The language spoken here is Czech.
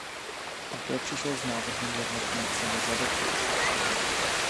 Také přišel s návrhem jednotné ceny za dopis.